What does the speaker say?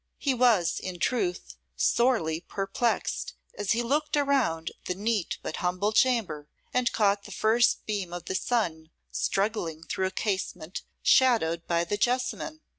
He was, in truth, sorely perplexed as he looked around the neat but humble chamber, and caught the first beam of the sun struggling through a casement shadowed by the jessamine.